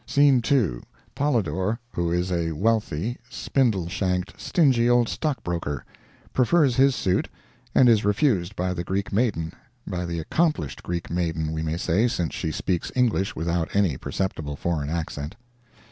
Scene 2.—Polydor—who is a wealthy, spindle shanked, stingy old stockbroker—prefers his suit and is refused by the Greek maiden—by the accomplished Greek maiden, we may say, since she speaks English with out any perceptible foreign accent.